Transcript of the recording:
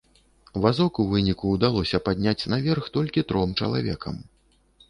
Вазок у выніку ўдалося падняць наверх толькі тром чалавекам.